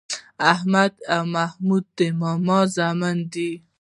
احمد او محمود د ماما زامن دي.